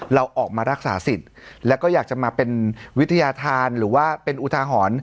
เราออกมารักษาสิทธิ์แล้วก็อยากจะมาเป็นวิทยาธารหรือว่าเป็นอุทาหรณ์